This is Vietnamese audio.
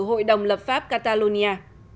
hội đồng lập pháp catalonia